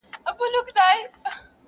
د زمریانو د پړانګانو به بادار یې-